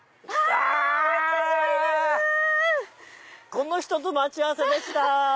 この人と待ち合わせでした！